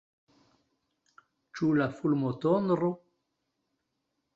Ĉu la fulmotondro?